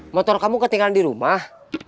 motor kamu ketinggalan di rumah